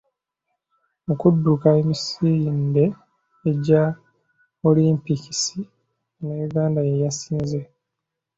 Mu kudduka emisinde egya Olimpikisi Munnayuganda ye yasinze.